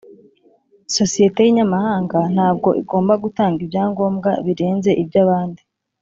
sosiyete y inyamahanga ntabwo igomba gutanga ibyangombwa birenze ibyabandi